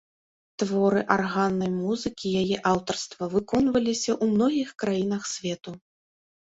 Творы арганнай музыкі яе аўтарства выконваліся ў многіх краінах свету.